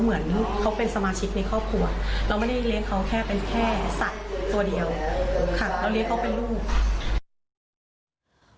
เหมือนเขาเป็นสมาชิกในครอบค์ค่ะเราไม่ได้มีนานเขาแค่เป็นแสดตัวเดียว